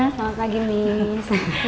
selamat pagi miss